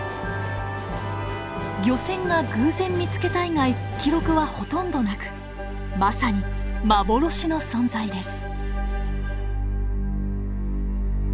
漁船が偶然見つけた以外記録はほとんどなくまさに幻の存在です。